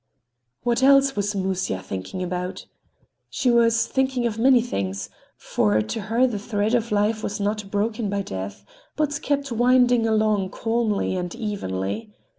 What else was Musya thinking about? She was thinking of many things, for to her the thread of life was not broken by Death, but kept winding along calmly and evenly.